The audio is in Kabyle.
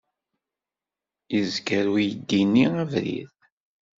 Yezger uydi-nni abrid.